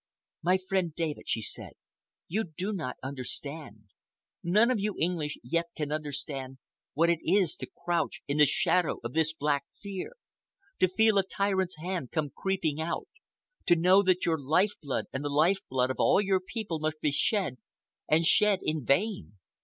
"My friend David," she said, "you do not understand. None of you English yet can understand what it is to crouch in the shadow of this black fear, to feel a tyrant's hand come creeping out, to know that your life blood and the life blood of all your people must be shed, and shed in vain.